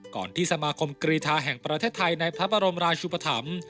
ที่สมาคมกรีธาแห่งประเทศไทยในพระบรมราชุปธรรม